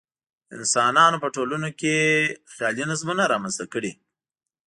انسانانو په ټولنو کې خیالي نظمونه رامنځته کړي.